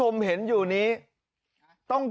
แล้วดีครั้ง